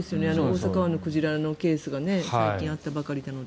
淀川の鯨のケースが最近あったばかりなので。